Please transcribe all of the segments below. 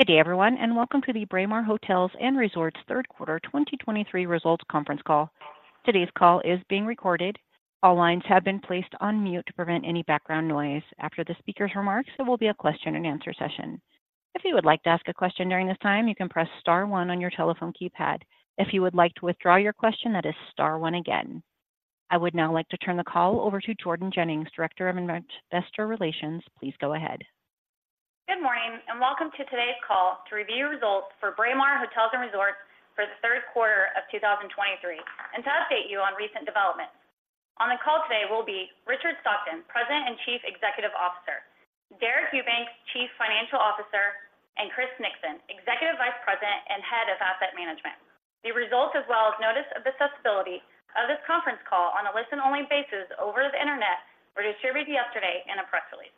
Good day, everyone, and welcome to the Braemar Hotels and Resorts third quarter 2023 results conference call. Today's call is being recorded. All lines have been placed on mute to prevent any background noise. After the speaker's remarks, there will be a question and answer session. If you would like to ask a question during this time, you can press star one on your telephone keypad. If you would like to withdraw your question, that is star one again. I would now like to turn the call over to Jordan Jennings, Director of Investor Relations. Please go ahead. Good morning, and welcome to today's call to review results for Braemar Hotels and Resorts for the third quarter of 2023, and to update you on recent developments. On the call today will be Richard Stockton, President and Chief Executive Officer, Deric Eubanks, Chief Financial Officer, and Chris Nixon, Executive Vice President and Head of Asset Management. The results, as well as notice of accessibility of this conference call on a listen-only basis over the Internet, were distributed yesterday in a press release.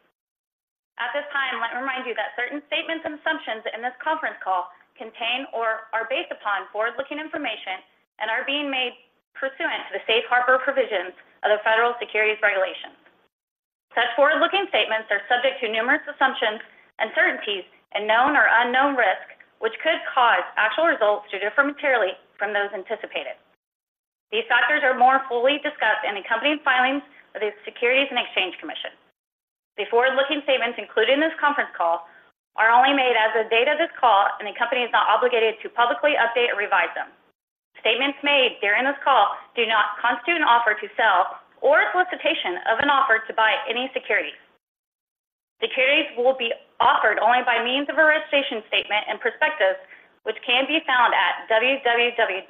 At this time, let me remind you that certain statements and assumptions in this conference call contain or are based upon forward-looking information and are being made pursuant to the Safe Harbor Provisions of the Federal Securities Regulations. Such forward-looking statements are subject to numerous assumptions, uncertainties, and known or unknown risks, which could cause actual results to differ materially from those anticipated. These factors are more fully discussed in the company's filings with the Securities and Exchange Commission. The forward-looking statements included in this conference call are only made as of the date of this call, and the company is not obligated to publicly update or revise them. Statements made during this call do not constitute an offer to sell or a solicitation of an offer to buy any securities. Securities will be offered only by means of a registration statement and prospectus, which can be found at www.sec.gov.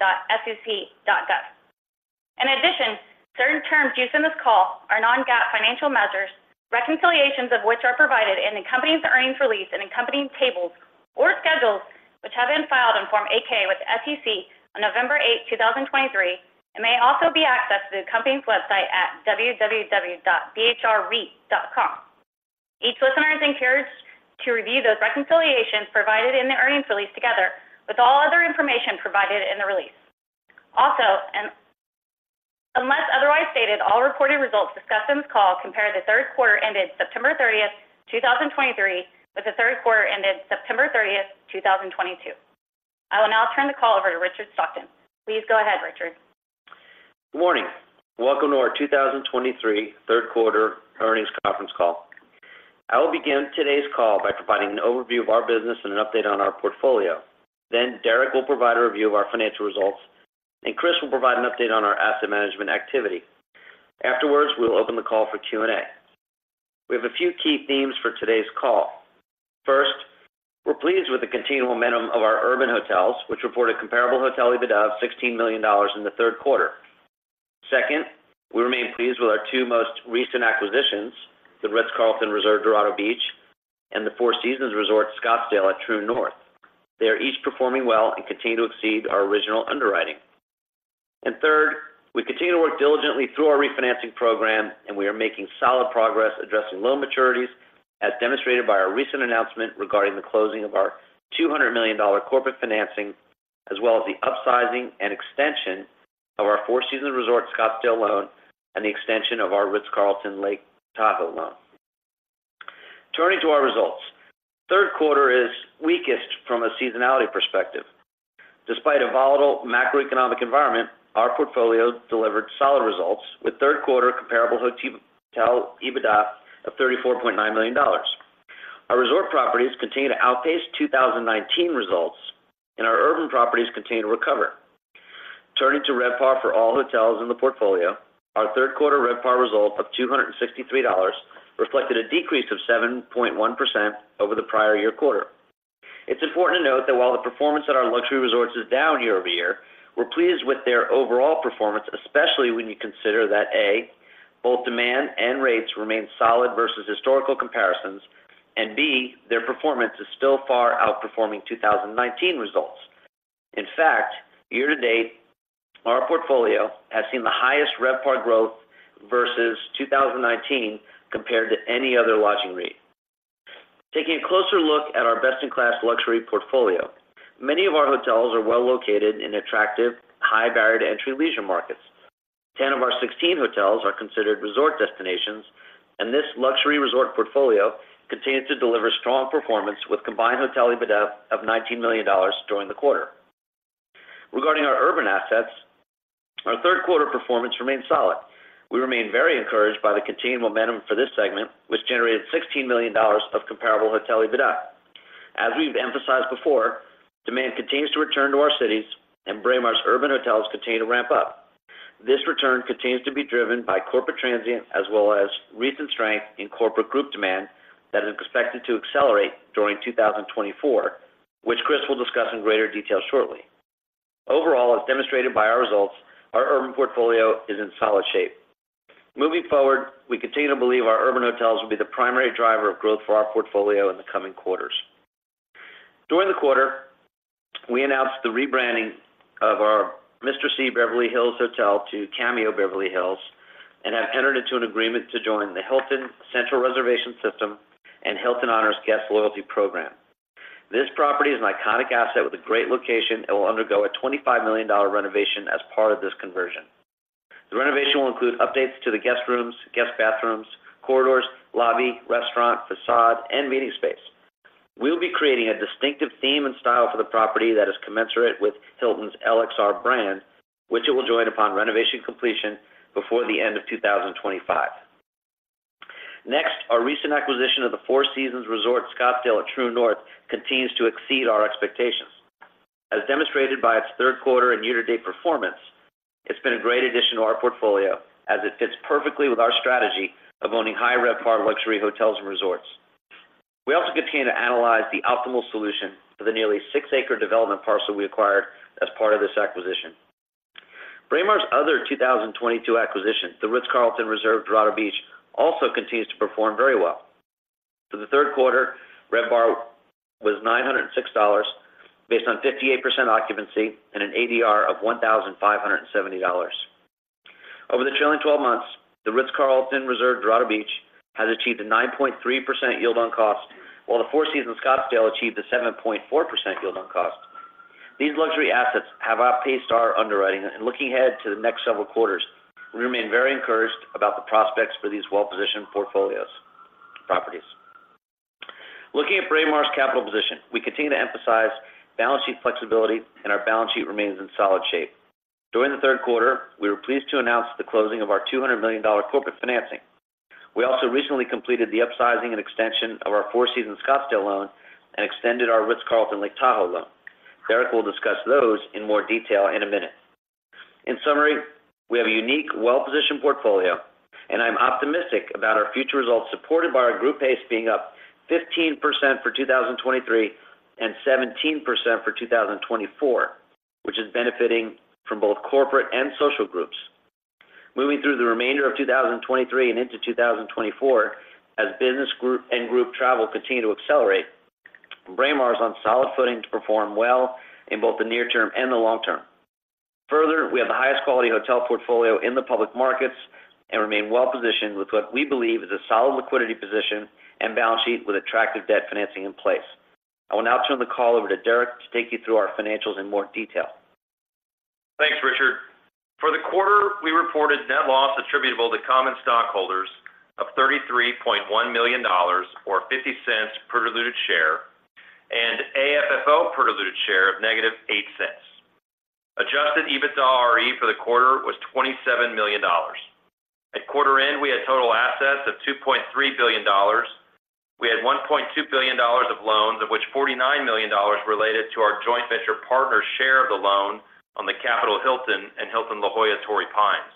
In addition, certain terms used in this call are non-GAAP financial measures, reconciliations of which are provided in the company's earnings release and accompanying tables or schedules, which have been filed in Form 8-K with the SEC on November 8, 2023, and may also be accessed through the company's website at www.bhrreit.com. Each listener is encouraged to review those reconciliations provided in the earnings release, together with all other information provided in the release. Also, unless otherwise stated, all reported results discussed in this call compare the third quarter ended September 30, 2023, with the third quarter ended September 30, 2022. I will now turn the call over to Richard Stockton. Please go ahead, Richard. Good morning. Welcome to our 2023 third quarter earnings conference call. I will begin today's call by providing an overview of our business and an update on our portfolio. Then Deric will provide a review of our financial results, and Chris will provide an update on our asset management activity. Afterwards, we will open the call for Q&A. We have a few key themes for today's call. First, we're pleased with the continued momentum of our urban hotels, which reported comparable hotel EBITDA of $16 million in the third quarter. Second, we remain pleased with our two most recent acquisitions, the Ritz-Carlton Reserve Dorado Beach and the Four Seasons Resort Scottsdale at Troon North. They are each performing well and continue to exceed our original underwriting. Third, we continue to work diligently through our refinancing program, and we are making solid progress addressing loan maturities, as demonstrated by our recent announcement regarding the closing of our $200 million corporate financing, as well as the upsizing and extension of our Four Seasons Resort Scottsdale loan and the extension of our Ritz-Carlton Lake Tahoe loan. Turning to our results. Third quarter is weakest from a seasonality perspective. Despite a volatile macroeconomic environment, our portfolio delivered solid results, with third-quarter comparable hotel EBITDA of $34.9 million. Our resort properties continue to outpace 2019 results, and our urban properties continue to recover. Turning to RevPAR for all hotels in the portfolio, our third quarter RevPAR result of $263 reflected a decrease of 7.1% over the prior year quarter. It's important to note that while the performance at our luxury resorts is down year-over-year, we're pleased with their overall performance, especially when you consider that, A, both demand and rates remain solid versus historical comparisons, and B, their performance is still far outperforming 2019 results. In fact, year to date, our portfolio has seen the highest RevPAR growth versus 2019 compared to any other lodging REIT. Taking a closer look at our best-in-class luxury portfolio, many of our hotels are well located in attractive, high barrier to entry leisure markets. 10 of our 16 hotels are considered resort destinations, and this luxury resort portfolio continues to deliver strong performance with combined hotel EBITDA of $19 million during the quarter. Regarding our urban assets, our third quarter performance remains solid. We remain very encouraged by the continued momentum for this segment, which generated $16 million of Comparable Hotel EBITDA. As we've emphasized before, demand continues to return to our cities, and Braemar's urban hotels continue to ramp up. This return continues to be driven by corporate transient, as well as recent strength in corporate group demand that is expected to accelerate during 2024, which Chris will discuss in greater detail shortly. Overall, as demonstrated by our results, our urban portfolio is in solid shape. Moving forward, we continue to believe our urban hotels will be the primary driver of growth for our portfolio in the coming quarters. During the quarter, we announced the rebranding of our Mr. C Beverly Hills Hotel to Cameo Beverly Hills, and have entered into an agreement to join the Hilton Central Reservation System and Hilton Honors Guest Loyalty Program. This property is an iconic asset with a great location and will undergo a $25 million renovation as part of this conversion. The renovation will include updates to the guest rooms, guest bathrooms, corridors, lobby, restaurant, facade, and meeting space. We'll be creating a distinctive theme and style for the property that is commensurate with Hilton's LXR brand, which it will join upon renovation completion before the end of 2025. Next, our recent acquisition of the Four Seasons Resort Scottsdale at Troon North continues to exceed our expectations. As demonstrated by its third quarter and year-to-date performance, it's been a great addition to our portfolio as it fits perfectly with our strategy of owning high RevPAR luxury hotels and resorts. We also continue to analyze the optimal solution for the nearly 6-acre development parcel we acquired as part of this acquisition. Braemar's other 2022 acquisition, the Ritz-Carlton Reserve Dorado Beach, also continues to perform very well. For the third quarter, RevPAR was $906, based on 58% occupancy and an ADR of $1,570. Over the trailing twelve months, the Ritz-Carlton Reserve Dorado Beach has achieved a 9.3% yield on cost, while the Four Seasons Scottsdale achieved a 7.4% yield on cost. These luxury assets have outpaced our underwriting, and looking ahead to the next several quarters, we remain very encouraged about the prospects for these well-positioned properties. Looking at Braemar's capital position, we continue to emphasize balance sheet flexibility, and our balance sheet remains in solid shape. During the third quarter, we were pleased to announce the closing of our $200 million corporate financing. We also recently completed the upsizing and extension of our Four Seasons Scottsdale loan and extended our Ritz-Carlton Lake Tahoe loan. Deric will discuss those in more detail in a minute. In summary, we have a unique, well-positioned portfolio, and I'm optimistic about our future results, supported by our group pace being up 15% for 2023 and 17% for 2024, which is benefiting from both corporate and social groups. Moving through the remainder of 2023 and into 2024, as business group and group travel continue to accelerate, Braemar is on solid footing to perform well in both the near term and the long term. Further, we have the highest quality hotel portfolio in the public markets and remain well positioned with what we believe is a solid liquidity position and balance sheet with attractive debt financing in place. I will now turn the call over to Deric to take you through our financials in more detail. Thanks, Richard. For the quarter, we reported net loss attributable to common stockholders of $33.1 million, or $0.50 per diluted share, and AFFO per diluted share of -$0.08. Adjusted EBITDAre for the quarter was $27 million. At quarter end, we had total assets of $2.3 billion. We had $1.2 billion of loans, of which $49 million related to our joint venture partner's share of the loan on the Capital Hilton and Hilton La Jolla Torrey Pines.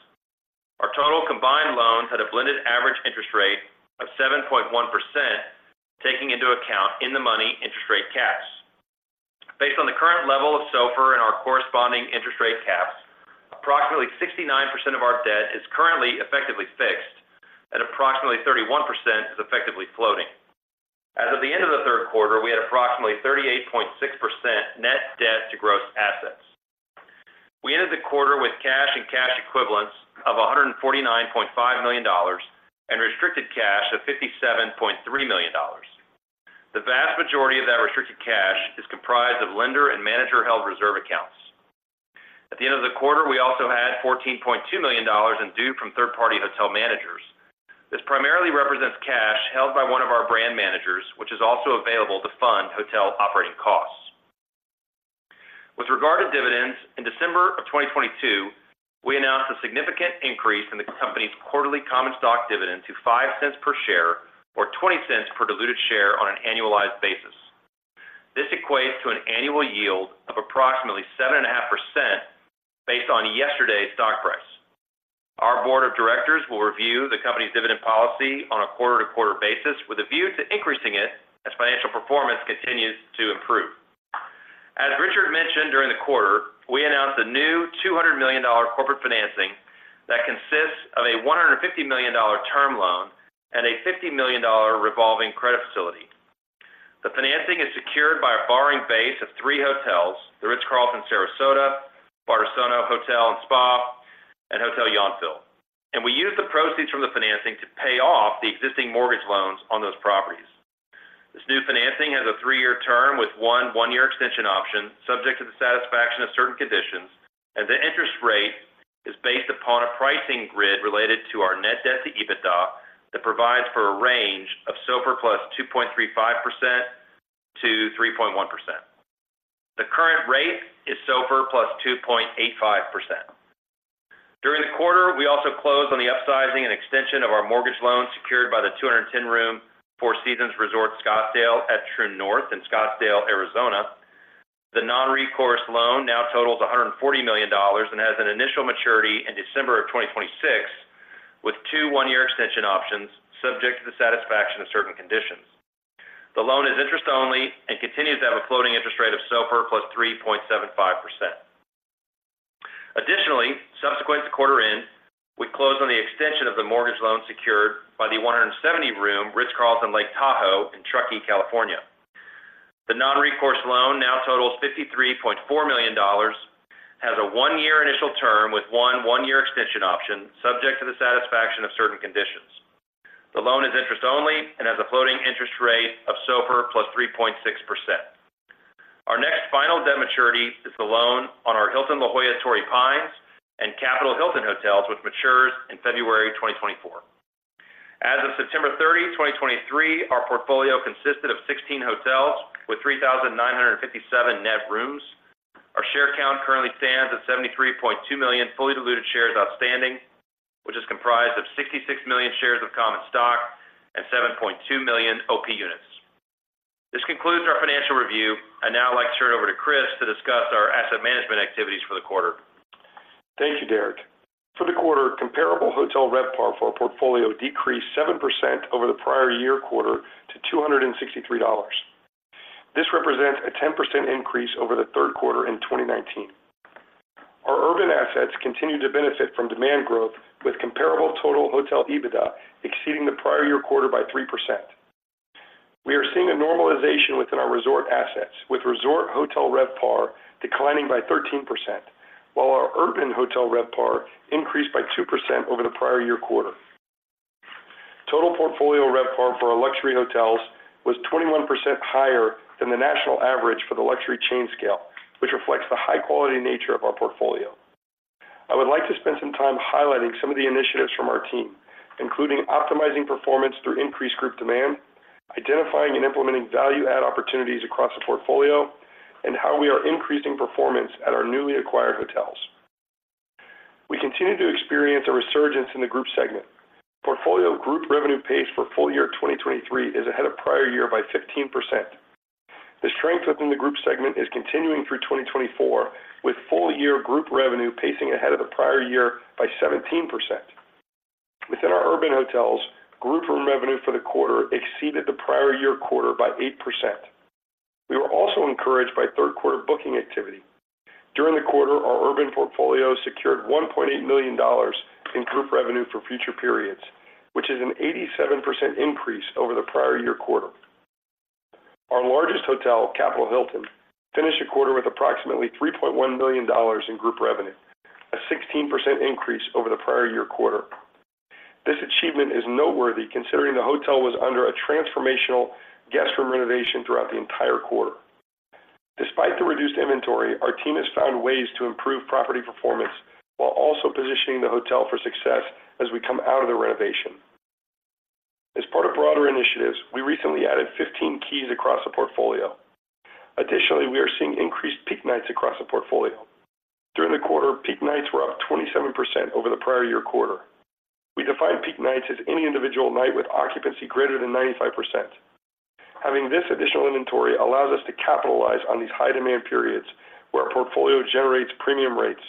Our total combined loans had a blended average interest rate of 7.1%, taking into account in-the-money interest rate caps. Based on the current level of SOFR and our corresponding interest rate caps, approximately 69% of our debt is currently effectively fixed, and approximately 31% is effectively floating. As of the end of the third quarter, we had approximately 38.6% net debt to gross assets. We ended the quarter with cash and cash equivalents of $149.5 million and restricted cash of $57.3 million. The vast majority of that restricted cash is comprised of lender and manager-held reserve accounts. At the end of the quarter, we also had $14.2 million in due from third-party hotel managers. This primarily represents cash held by one of our brand managers, which is also available to fund hotel operating costs. With regard to dividends, in December of 2022, we announced a significant increase in the company's quarterly common stock dividend to $0.05 per share or $0.20 per diluted share on an annualized basis. This equates to an annual yield of approximately 7.5% based on yesterday's stock price. Our board of directors will review the company's dividend policy on a quarter-to-quarter basis, with a view to increasing it as financial performance continues to improve. As Richard mentioned, during the quarter, we announced a new $200 million corporate financing that consists of a $150 million term loan and a $50 million revolving credit facility. The financing is secured by a borrowing base of three hotels: the Ritz-Carlton Sarasota, Bardessono Hotel and Spa, and Hotel Yountville, and we used the proceeds from the financing to pay off the existing mortgage loans on those properties. This new financing has a 3-year term with one 1-year extension option, subject to the satisfaction of certain conditions, and the interest rate is based upon a pricing grid related to our net debt to EBITDA that provides for a range of SOFR + 2.35%-3.1%. The current rate is SOFR + 2.85%. During the quarter, we also closed on the upsizing and extension of our mortgage loan, secured by the 210-room Four Seasons Resort Scottsdale at Troon North in Scottsdale, Arizona. The non-recourse loan now totals $140 million and has an initial maturity in December of 2026, with two 1-year extension options, subject to the satisfaction of certain conditions. The loan is interest only and continues to have a floating interest rate of SOFR plus 3.75%. Additionally, subsequent to quarter end, we closed on the extension of the mortgage loan secured by the 170-room Ritz-Carlton Lake Tahoe in Truckee, California. The non-recourse loan now totals $53.4 million, has a 1-year initial term with one 1-year extension option, subject to the satisfaction of certain conditions. The loan is interest only and has a floating interest rate of SOFR plus 3.6%.... maturity is the loan on our Hilton La Jolla Torrey Pines and Capital Hilton hotels, which matures in February 2024. As of September 30, 2023, our portfolio consisted of 16 hotels with 3,957 net rooms. Our share count currently stands at 73.2 million fully diluted shares outstanding, which is comprised of 66 million shares of common stock and 7.2 million OP units. This concludes our financial review. I'd now like to turn it over to Chris to discuss our asset management activities for the quarter. Thank you, Deric. For the quarter, comparable hotel RevPAR for our portfolio decreased 7% over the prior year quarter to $263. This represents a 10% increase over the third quarter in 2019. Our urban assets continue to benefit from demand growth, with comparable total hotel EBITDA exceeding the prior year quarter by 3%. We are seeing a normalization within our resort assets, with resort hotel RevPAR declining by 13%, while our urban hotel RevPAR increased by 2% over the prior year quarter. Total portfolio RevPAR for our luxury hotels was 21% higher than the national average for the luxury chain scale, which reflects the high-quality nature of our portfolio. I would like to spend some time highlighting some of the initiatives from our team, including optimizing performance through increased group demand, identifying and implementing value-add opportunities across the portfolio, and how we are increasing performance at our newly acquired hotels. We continue to experience a resurgence in the group segment. Portfolio group revenue pace for full year 2023 is ahead of prior year by 15%. The strength within the group segment is continuing through 2024, with full year group revenue pacing ahead of the prior year by 17%. Within our urban hotels, group room revenue for the quarter exceeded the prior year quarter by 8%. We were also encouraged by third quarter booking activity. During the quarter, our urban portfolio secured $1.8 million in group revenue for future periods, which is an 87% increase over the prior year quarter. Our largest hotel, Capital Hilton, finished the quarter with approximately $3.1 million in group revenue, a 16% increase over the prior year quarter. This achievement is noteworthy considering the hotel was under a transformational guest room renovation throughout the entire quarter. Despite the reduced inventory, our team has found ways to improve property performance while also positioning the hotel for success as we come out of the renovation. As part of broader initiatives, we recently added 15 keys across the portfolio. Additionally, we are seeing increased peak nights across the portfolio. During the quarter, peak nights were up 27% over the prior year quarter. We define peak nights as any individual night with occupancy greater than 95%. Having this additional inventory allows us to capitalize on these high-demand periods, where our portfolio generates premium rates.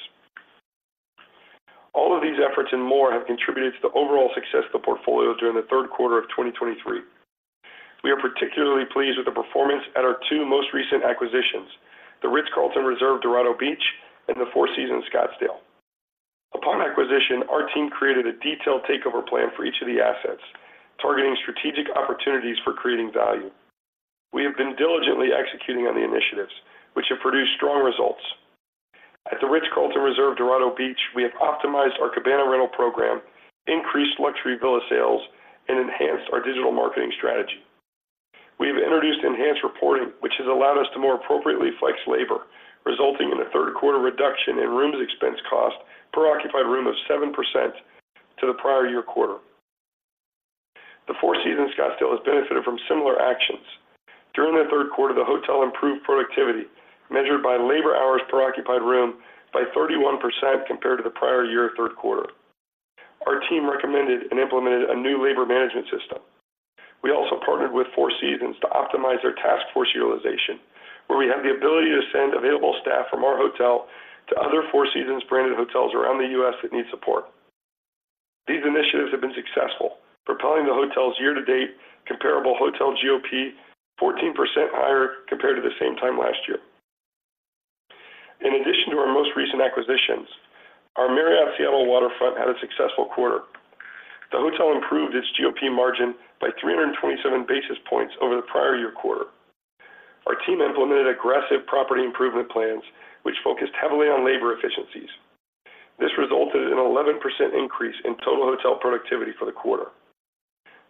All of these efforts and more have contributed to the overall success of the portfolio during the third quarter of 2023. We are particularly pleased with the performance at our two most recent acquisitions, the Ritz-Carlton Reserve Dorado Beach and the Four Seasons Scottsdale. Upon acquisition, our team created a detailed takeover plan for each of the assets, targeting strategic opportunities for creating value. We have been diligently executing on the initiatives, which have produced strong results. At the Ritz-Carlton Reserve Dorado Beach, we have optimized our cabana rental program, increased luxury villa sales, and enhanced our digital marketing strategy. We have introduced enhanced reporting, which has allowed us to more appropriately flex labor, resulting in a third quarter reduction in rooms expense cost per occupied room of 7% to the prior year quarter. The Four Seasons Scottsdale has benefited from similar actions. During the third quarter, the hotel improved productivity, measured by labor hours per occupied room, by 31% compared to the prior year third quarter. Our team recommended and implemented a new labor management system. We also partnered with Four Seasons to optimize their task force utilization, where we have the ability to send available staff from our hotel to other Four Seasons branded hotels around the U.S. that need support. These initiatives have been successful, propelling the hotel's year-to-date comparable hotel GOP 14% higher compared to the same time last year. In addition to our most recent acquisitions, our Marriott Seattle Waterfront had a successful quarter. The hotel improved its GOP margin by 327 basis points over the prior year quarter. Our team implemented aggressive property improvement plans, which focused heavily on labor efficiencies. This resulted in 11% increase in total hotel productivity for the quarter.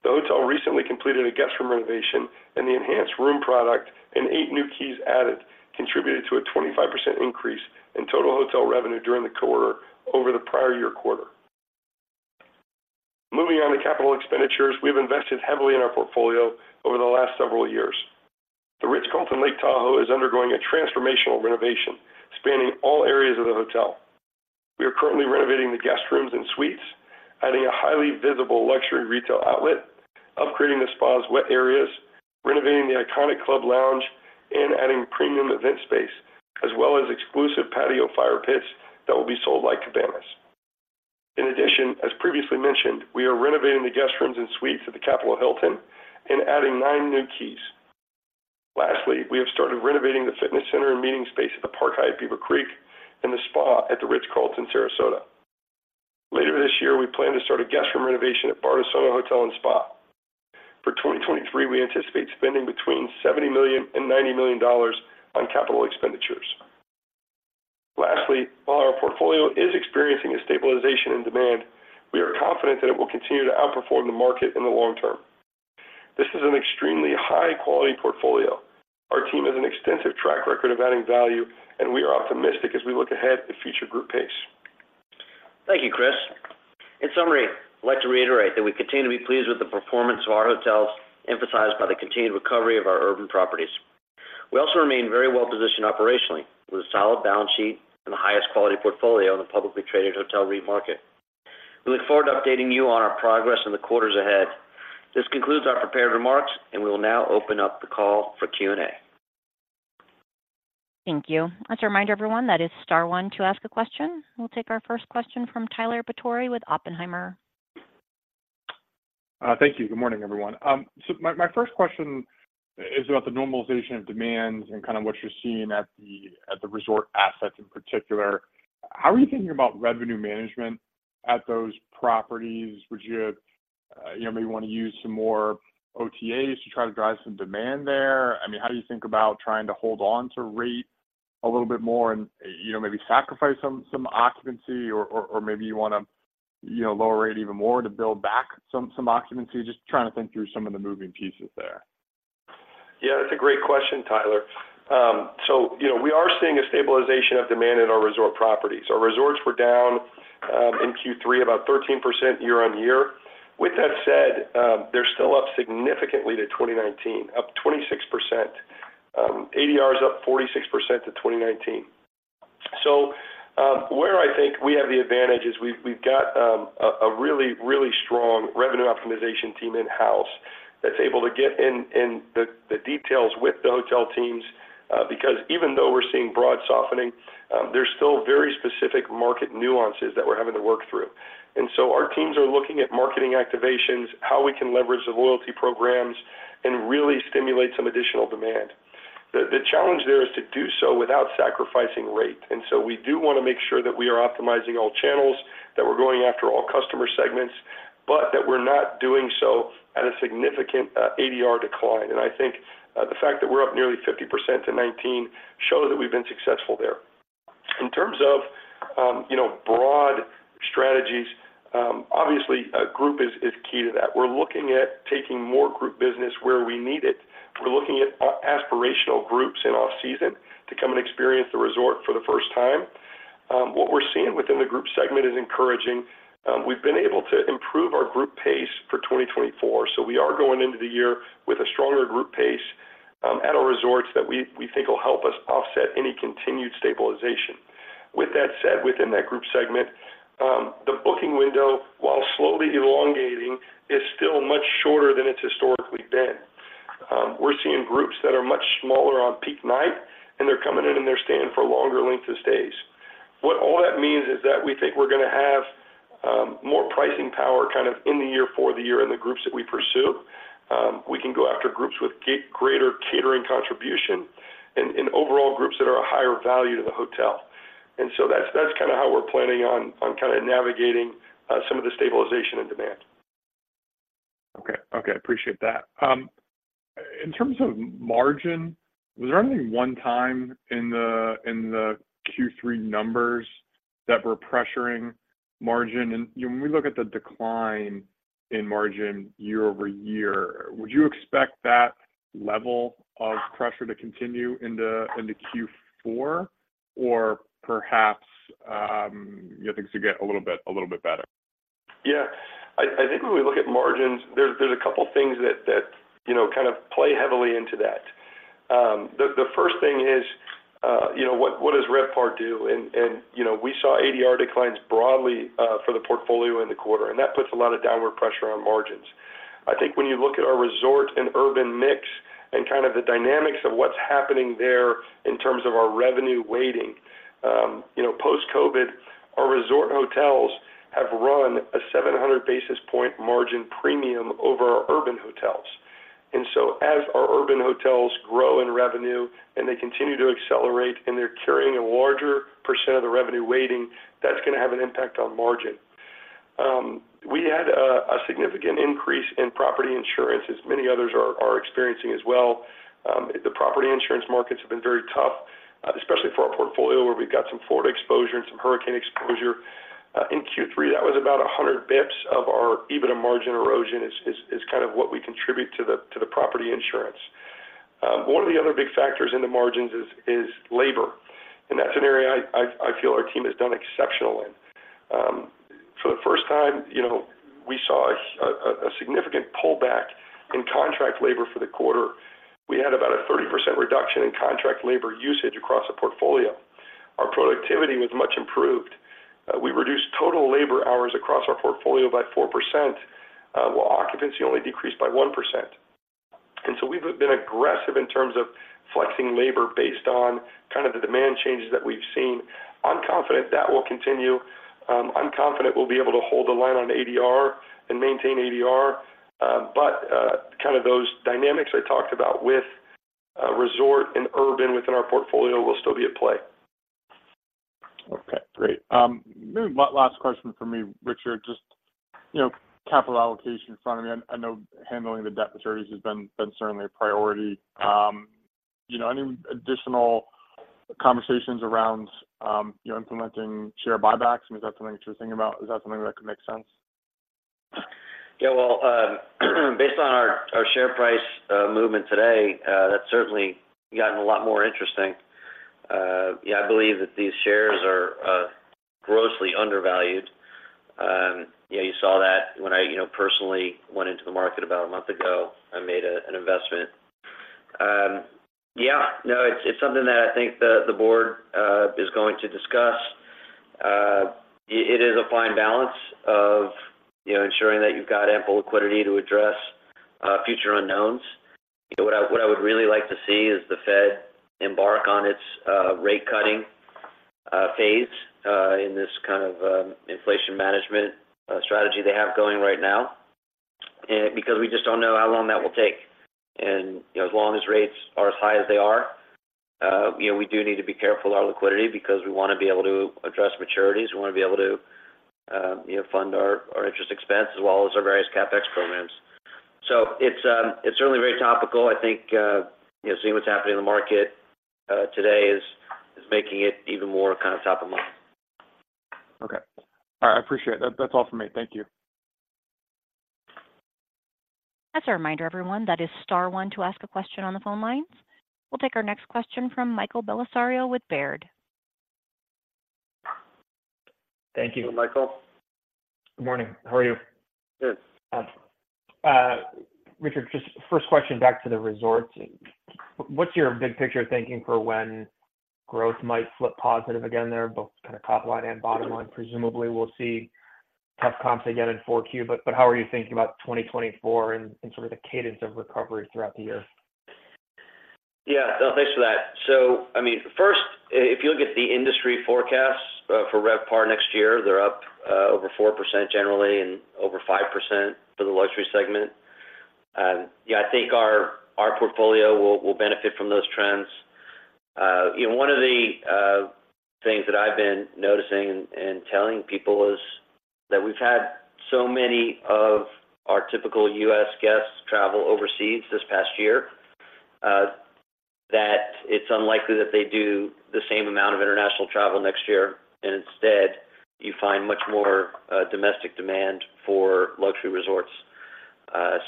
The hotel recently completed a guest room renovation, and the enhanced room product and 8 new keys added contributed to a 25% increase in total hotel revenue during the quarter over the prior year quarter. Moving on to capital expenditures, we've invested heavily in our portfolio over the last several years. The Ritz-Carlton Lake Tahoe is undergoing a transformational renovation, spanning all areas of the hotel. We are currently renovating the guest rooms and suites, adding a highly visible luxury retail outlet, upgrading the spa's wet areas, renovating the iconic club lounge, and adding premium event space, as well as exclusive patio fire pits that will be sold like cabanas. In addition, as previously mentioned, we are renovating the guest rooms and suites at the Capital Hilton and adding 9 new keys. Lastly, we have started renovating the fitness center and meeting space at the Park Hyatt Beaver Creek and the spa at the Ritz-Carlton Sarasota. Later this year, we plan to start a guest room renovation at Bardessono Hotel and Spa. For 2023, we anticipate spending between $70 million and $90 million on capital expenditures. Lastly, while our portfolio is experiencing a stabilization in demand, we are confident that it will continue to outperform the market in the long term. This is an extremely high-quality portfolio. Our team has an extensive track record of adding value, and we are optimistic as we look ahead to future group pace. Thank you, Chris. In summary, I'd like to reiterate that we continue to be pleased with the performance of our hotels, emphasized by the continued recovery of our urban properties. We also remain very well-positioned operationally, with a solid balance sheet and the highest quality portfolio in the publicly traded hotel REIT market. We look forward to updating you on our progress in the quarters ahead. This concludes our prepared remarks, and we will now open up the call for Q&A. Thank you. I want to remind everyone, that is star one to ask a question. We'll take our first question from Tyler Batory with Oppenheimer. Thank you. Good morning, everyone. So my, my first question is about the normalization of demands and kind of what you're seeing at the, at the resort assets in particular. How are you thinking about revenue management at those properties? Would you, you know, maybe want to use some more OTAs to try to drive some demand there? I mean, how do you think about trying to hold on to rate a little bit more and, you know, maybe sacrifice some, some occupancy, or, or, or maybe you wanna, you know, lower rate even more to build back some, some occupancy? Just trying to think through some of the moving pieces there. Yeah, that's a great question, Tyler. So you know, we are seeing a stabilization of demand in our resort properties. Our resorts were down in Q3, about 13% year-over-year. With that said, they're still up significantly to 2019, up 26%. ADR is up 46% to 2019. So, where I think we have the advantage is we've got a really, really strong revenue optimization team in-house that's able to get in the details with the hotel teams, because even though we're seeing broad softening, there's still very specific market nuances that we're having to work through. And so our teams are looking at marketing activations, how we can leverage the loyalty programs, and really stimulate some additional demand. The challenge there is to do so without sacrificing rate, and so we do wanna make sure that we are optimizing all channels, that we're going after all customer segments, but that we're not doing so at a significant ADR decline. And I think the fact that we're up nearly 50% to 2019 show that we've been successful there. In terms of you know, broad strategies, obviously, a group is key to that. We're looking at taking more group business where we need it. We're looking at aspirational groups in off-season to come and experience the resort for the first time. What we're seeing within the group segment is encouraging. We've been able to improve our group pace for 2024, so we are going into the year with a stronger group pace at our resorts that we think will help us offset any continued stabilization. With that said, within that group segment, the booking window, while slowly elongating, is still much shorter than it's historically been. We're seeing groups that are much smaller on peak night, and they're coming in, and they're staying for longer lengths of stays. What all that means is that we think we're gonna have more pricing power kind of in the year for the year in the groups that we pursue. We can go after groups with greater catering contribution and overall groups that are a higher value to the hotel. So that's kinda how we're planning on kinda navigating some of the stabilization and demand. Okay. Okay, appreciate that. In terms of margin, was there anything one time in the Q3 numbers that were pressuring margin? And, you know, when we look at the decline in margin year-over-year, would you expect that level of pressure to continue into Q4, or perhaps, you know, things to get a little bit, a little bit better? Yeah. I think when we look at margins, there's a couple things that, you know, kind of play heavily into that. The first thing is, you know, what does RevPAR do? And, you know, we saw ADR declines broadly for the portfolio in the quarter, and that puts a lot of downward pressure on margins. I think when you look at our resort and urban mix and kind of the dynamics of what's happening there in terms of our revenue weighting, you know, post-COVID, our resort hotels have run a 700 basis point margin premium over our urban hotels. And so as our urban hotels grow in revenue, and they continue to accelerate, and they're carrying a larger percent of the revenue weighting, that's gonna have an impact on margin. We had a significant increase in property insurance, as many others are experiencing as well. The property insurance markets have been very tough, especially for our portfolio, where we've got some Florida exposure and some hurricane exposure. In Q3, that was about 100 basis points of our EBITDA margin erosion is kind of what we contribute to the property insurance. One of the other big factors in the margins is labor, and that's an area I feel our team has done exceptional in. For the first time, you know, we saw a significant pullback in contract labor for the quarter. We had about a 30% reduction in contract labor usage across the portfolio. Our productivity was much improved. We reduced total labor hours across our portfolio by 4%, while occupancy only decreased by 1%. And so we've been aggressive in terms of flexing labor based on kind of the demand changes that we've seen. I'm confident that will continue. I'm confident we'll be able to hold the line on ADR and maintain ADR, but kind of those dynamics I talked about with resort and urban within our portfolio will still be at play. Okay, great. Maybe one last question for me, Richard. Just-... you know, capital allocation in front of me. I know handling the debt maturities has been certainly a priority. You know, any additional conversations around, you know, implementing share buybacks? And is that something that you're thinking about? Is that something that could make sense? Yeah, well, based on our share price movement today, that's certainly gotten a lot more interesting. Yeah, I believe that these shares are grossly undervalued. Yeah, you saw that when I, you know, personally went into the market about a month ago and made an investment. Yeah, no, it's something that I think the board is going to discuss. It is a fine balance of, you know, ensuring that you've got ample liquidity to address future unknowns. You know, what I would really like to see is the Fed embark on its rate cutting phase in this kind of inflation management strategy they have going right now. And because we just don't know how long that will take. And, you know, as long as rates are as high as they are, you know, we do need to be careful of our liquidity because we want to be able to address maturities. We want to be able to, you know, fund our interest expense as well as our various CapEx programs. So it's certainly very topical. I think, you know, seeing what's happening in the market, today is making it even more kind of top of mind. Okay. All right, I appreciate it. That, that's all for me. Thank you. As a reminder, everyone, that is star one to ask a question on the phone lines. We'll take our next question from Michael Bellisario with Baird. Thank you. Michael. Good morning. How are you? Good. Richard, just first question back to the resorts. What's your big picture thinking for when growth might flip positive again there, both kind of top line and bottom line? Presumably, we'll see tough comps again in 4Q, but how are you thinking about 2024 and sort of the cadence of recovery throughout the year? Yeah. Well, thanks for that. So, I mean, first, if you look at the industry forecasts for RevPAR next year, they're up over 4% generally and over 5% for the luxury segment. Yeah, I think our portfolio will benefit from those trends. You know, one of the things that I've been noticing and telling people is that we've had so many of our typical U.S. guests travel overseas this past year that it's unlikely that they do the same amount of international travel next year, and instead, you find much more domestic demand for luxury resorts.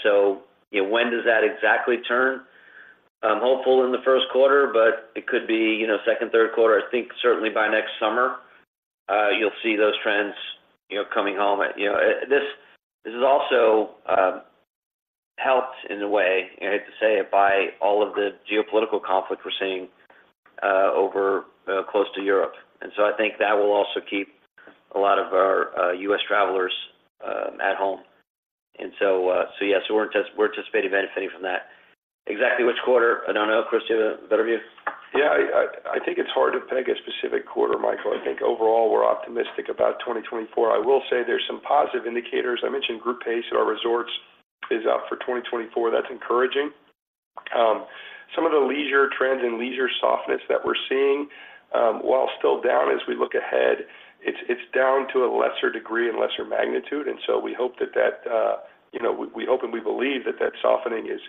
So, you know, when does that exactly turn? I'm hopeful in the first quarter, but it could be, you know, second, third quarter. I think certainly by next summer, you'll see those trends, you know, coming home. You know, this, this is also helped in a way, and I hate to say it, by all of the geopolitical conflict we're seeing over close to Europe. And so I think that will also keep a lot of our U.S. travelers at home. And so, so yes, we're anticipating benefiting from that. Exactly which quarter? I don't know. Chris, do you have a better view? Yeah, I think it's hard to peg a specific quarter, Michael. I think overall, we're optimistic about 2024. I will say there's some positive indicators. I mentioned group pace at our resorts is up for 2024. That's encouraging. Some of the leisure trends and leisure softness that we're seeing, while still down as we look ahead, it's down to a lesser degree and lesser magnitude, and so we hope that that, you know, we hope and we believe that that softening is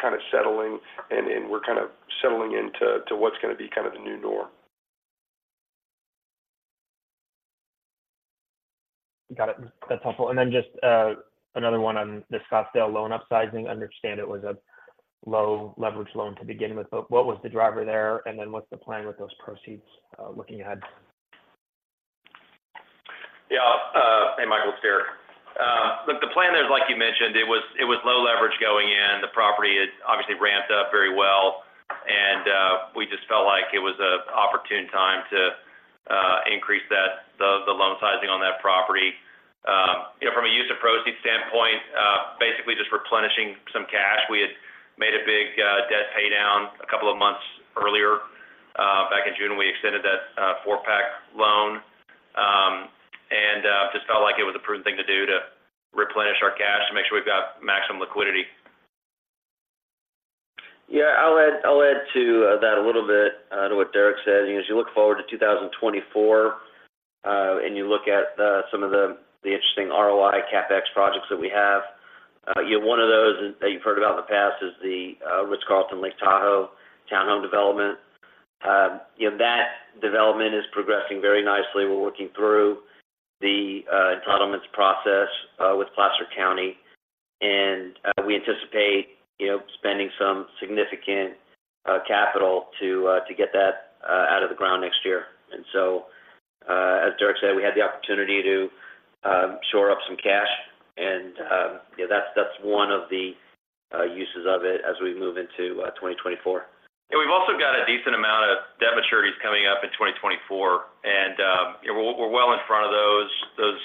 kind of settling and we're kind of settling into to what's going to be kind of the new norm. Got it. That's helpful. And then just, another one on the Scottsdale loan upsizing. I understand it was a low leverage loan to begin with, but what was the driver there? And then what's the plan with those proceeds, looking ahead? Yeah, hey, Michael, it's Deric. Look, the plan there is, like you mentioned, it was low leverage going in. The property is obviously ramped up very well, and we just felt like it was an opportune time to increase the loan sizing on that property. You know, from a use of proceeds standpoint, basically just replenishing some cash. We had made a big debt paydown a couple of months earlier. Back in June, we extended that four-pack loan, and just felt like it was a prudent thing to do to replenish our cash to make sure we've got maximum liquidity. Yeah, I'll add, I'll add to that a little bit to what Deric said. You know, as you look forward to 2024, and you look at some of the interesting ROI CapEx projects that we have, you know, one of those that you've heard about in the past is the Ritz-Carlton Lake Tahoe townhome development. You know, that development is progressing very nicely. We're working through the entitlements process with Placer County, and we anticipate, you know, spending some significant capital to get that out of the ground next year. And so, as Deric said, we had the opportunity to shore up some cash, and yeah, that's one of the uses of it as we move into 2024. And we've also got a decent amount of debt maturities coming up in 2024, and, you know, we're well in front of those. Those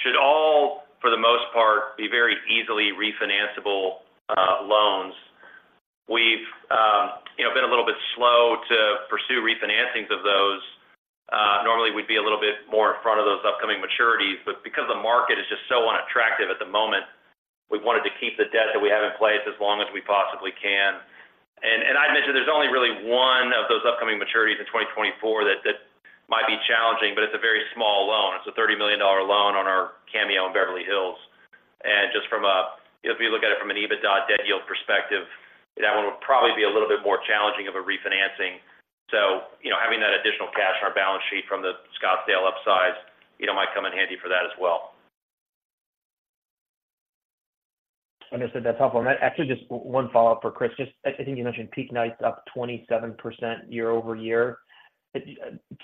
should all, for the most part, be very easily refinanceable loans. We've, you know, been a little bit slow to pursue refinancings of those. Normally, we'd be a little bit more in front of those upcoming maturities, but because the market is just so unattractive at the moment. We've wanted to keep the debt that we have in place as long as we possibly can. And I mentioned there's only really one of those upcoming maturities in 2024 that might be challenging, but it's a very small loan. It's a $30 million loan on our Cameo in Beverly Hills. And just from a, if you look at it from an EBITDA debt yield perspective, that one would probably be a little bit more challenging of a refinancing. So, you know, having that additional cash on our balance sheet from the Scottsdale upsize, you know, might come in handy for that as well. Understood. That's helpful. And actually, just one follow-up for Chris. Just, I think you mentioned peak nights up 27% year-over-year. Can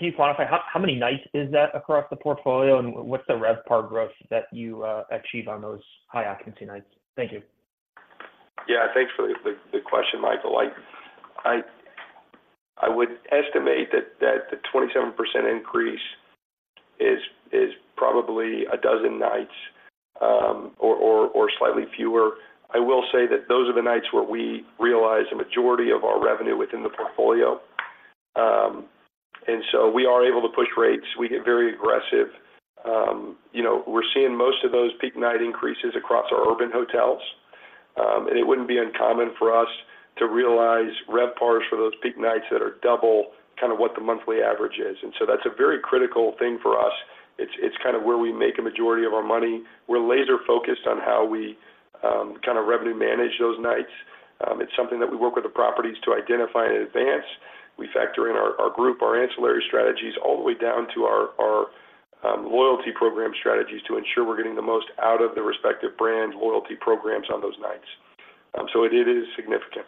you quantify how many nights is that across the portfolio, and what's the RevPAR growth that you achieve on those high occupancy nights? Thank you. Yeah, thanks for the question, Michael. I would estimate that the 27% increase is probably 12 nights or slightly fewer. I will say that those are the nights where we realize the majority of our revenue within the portfolio. And so we are able to push rates. We get very aggressive. You know, we're seeing most of those peak night increases across our urban hotels. And it wouldn't be uncommon for us to realize RevPARs for those peak nights that are double kind of what the monthly average is, and so that's a very critical thing for us. It's kind of where we make a majority of our money. We're laser-focused on how we kind of revenue manage those nights. It's something that we work with the properties to identify in advance. We factor in our group, our ancillary strategies, all the way down to our loyalty program strategies to ensure we're getting the most out of the respective brand loyalty programs on those nights. So it is significant.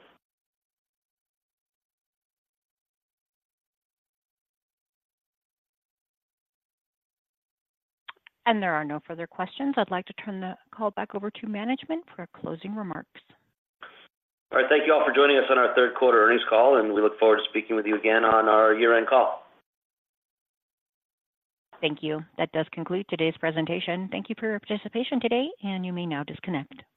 There are no further questions. I'd like to turn the call back over to management for closing remarks. All right. Thank you all for joining us on our third quarter earnings call, and we look forward to speaking with you again on our year-end call. Thank you. That does conclude today's presentation. Thank you for your participation today, and you may now disconnect.